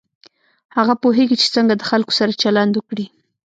هغه پوهېږي چې څنګه د خلکو سره چلند وکړي.